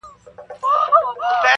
د روسيې د صدراعظم کاسيګين د ملاقات ردول